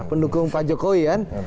pendukung pak jokowi